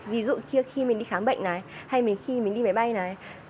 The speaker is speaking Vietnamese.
ví dụ như khi mình đi khám bệnh này hay khi mình đi máy bay này